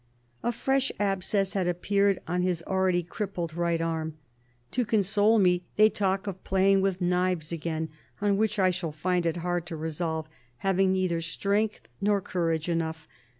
A fresh abscess had appeared on his already crippled right arm. "To console me, they talk of playing with knives again, on which I shall find it hard to resolve, having neither strength nor courage enough.